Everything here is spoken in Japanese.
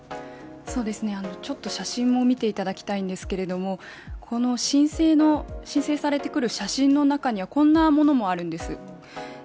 写真も見ていただきたいんですけれども、この申請されてくる写真の中にはこんなものもあるんです。